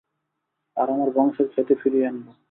আর আমার বংশের খ্যাতি ফিরিয়ে আনবো।